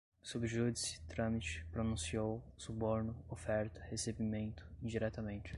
sub judice, trâmite, pronunciou, suborno, oferta, recebimento, indiretamente